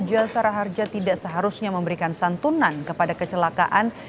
jasara harja tidak seharusnya memberikan santunan kepada kecelakaan